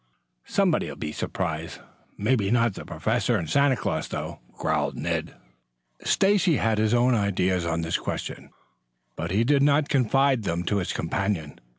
"Somebody'll be surprised. May not be the Professor and Santa Claus, though," growled Ned. Stacy had his own ideas on this question, but he did not confide them to his companion.